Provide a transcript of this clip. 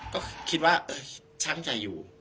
ก็คิดว่าช่างจะอยู่